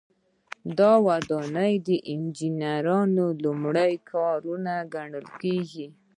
دا ودانۍ د انجنیری لومړني کارونه ګڼل کیږي.